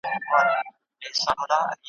نه عمرونه مو کمیږي تر پېړیو `